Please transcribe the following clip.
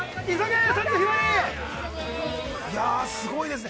すごいですね。